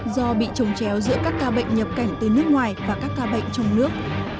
do bị trồng chéo giữa các ca bệnh nhập cảnh từ nước ngoài và các ca bệnh trong nước